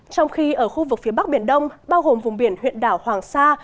trong khi ở khu vực phía bắc biển đông bao gồm vùng biển huyện đảo hoàng sa